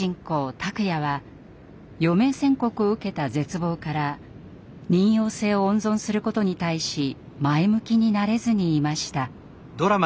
拓哉は余命宣告を受けた絶望から妊よう性を温存することに対し前向きになれずにいました。